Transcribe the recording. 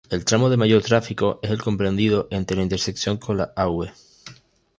El tramo de mayor tráfico es el comprendido entre la intersección con la Av.